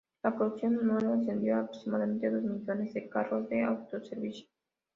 La producción anual ascendió a aproximadamente dos millones de carros de autoservicio.